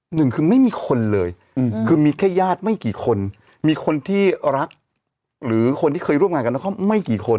หนึ่งคือไม่มีคนเลยคือมีแค่ญาติไม่กี่คนมีคนที่รักหรือคนที่เคยร่วมงานกันนครไม่กี่คน